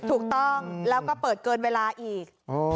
ถูกต้องแล้วก็เปิดเกินเวลาอีก